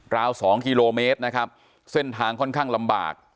ว๒กิโลเมตรนะครับเส้นทางค่อนข้างลำบาก